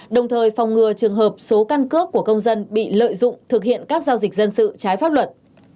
đồng thời phòng ngừa trường hợp số căn cước của công dân bị lợi dụng thực hiện các giao dịch dân sự trái pháp luật